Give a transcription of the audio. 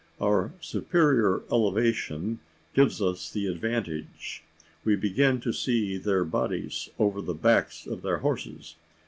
Our superior elevation gives us the advantage. We begin to see their bodies over the backs of their horses.